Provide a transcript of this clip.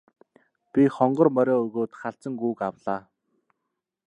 Би хонгор морио өгөөд халзан гүүг авлаа.